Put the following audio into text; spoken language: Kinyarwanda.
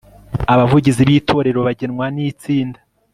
Abavugizi b Itorero bagenwa n itsinda